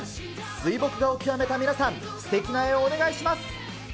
水墨画を極めた皆さん、すてきな絵をお願いします。